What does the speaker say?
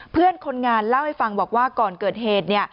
เพื่อนคนงานเล่าให้ฟังบอกว่าก่อนเกิดเหตุ